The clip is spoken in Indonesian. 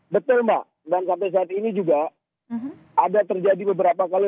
betul mbak dan sampai saat ini juga ada terjadi beberapa kali